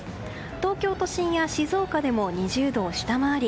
東京都心や静岡でも２０度を下回り